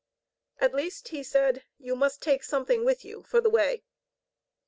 "At least," he said, "you must take something with you for the way."